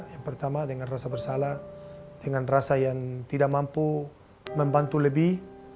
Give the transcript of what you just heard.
yang pertama dengan rasa bersalah dengan rasa yang tidak mampu membantu lebih